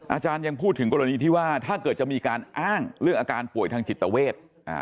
อาจารย์ยังพูดถึงกรณีที่ว่าถ้าเกิดจะมีการอ้างเรื่องอาการป่วยทางจิตเวท